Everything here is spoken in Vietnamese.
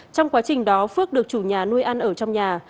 trong quá trình đó phước được chủ nhà nuôi ăn ở trong nhà